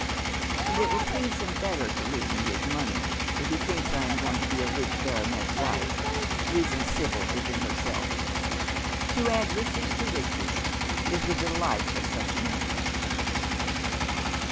" And it will please him better to leave me his money if be thinks that I am going to be a rich baronet's wife," reasons Sibyl williin herself. "To add riches to riches is the delight of such men."